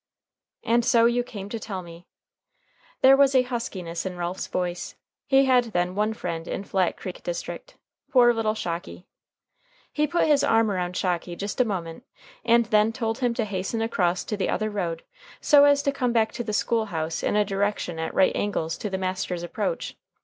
"And so you came to tell me." There was a huskiness in Ralph's voice. He had, then, one friend in Flat Creek district poor little Shocky. He put his arm around Shocky just a moment, and then told him to hasten across to the other road, so as to come back to the school house in a direction at right angles to the master's approach.